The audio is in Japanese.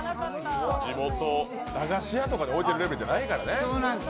地元、駄菓子屋とかに置いてるレベルじゃないですからね。